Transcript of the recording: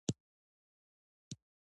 کندهار د افغانستان د سیاسي جغرافیه برخه ده.